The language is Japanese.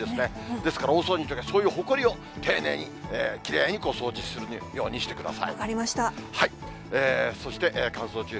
ですから、大掃除のときは、そういうほこりを丁寧にきれいに掃除するようにしてください。